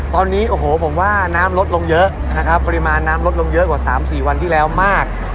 ตอนนี้โอ้โหผมว่าน้ำลดลงเยอะนะครับปริมาณน้ำลดลงเยอะกว่า๓๔วันที่แล้วมาก